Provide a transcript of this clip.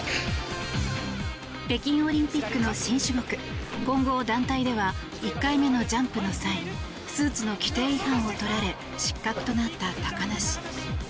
北京オリンピックの新種目混合団体では１回目のジャンプの際スーツの規定違反をとられ失格となった高梨。